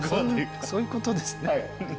そういうことですね。